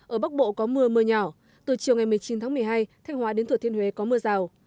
ở bắc bộ có mưa mưa nhỏ từ chiều ngày một mươi chín tháng một mươi hai thanh hóa đến thừa thiên huế có mưa rào